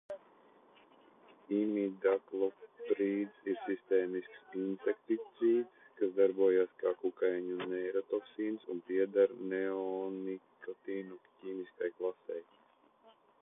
Imidakloprīds ir sistēmisks insekticīds, kas darbojas kā kukaiņu neirotoksīns un pieder neonikotinoīdu ķīmiskai klasei.